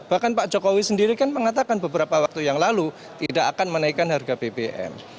bahkan pak jokowi sendiri kan mengatakan beberapa waktu yang lalu tidak akan menaikkan harga bbm